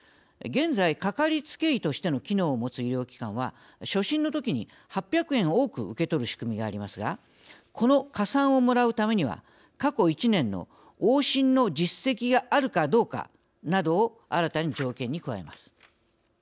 現在、かかりつけ医としての機能を持つ医療機関は初診のときに８００円を多く受け取る仕組みがありますがこの加算をもらうためには過去１年の往診の実績があるかどうかなどを新たに条件に加えます。